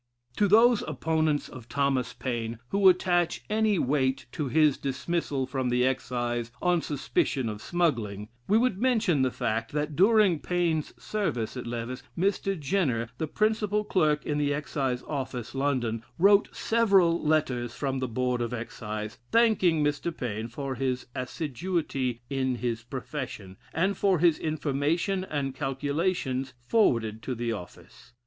To those opponents of Thomas Paine who attach any weight to his dismissal from the Excise on suspicion of smuggling, we would mention the fact, that during Paine's service at Lewes, Mr. Jenner, the principal clerk in the Excise Office, London, wrote several letters from the Board of Excise, "thanking Mr. Paine for his assiduity in his profession, and for his information and calculations forwarded to the office."